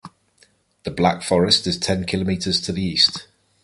The Black Forest is ten kilometers to the east.